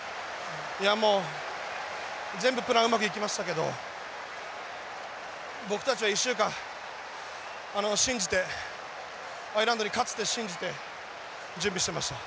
いやもう全部プランうまくいきましたけど僕たちは１週間信じてアイルランドに勝つって信じて準備してました。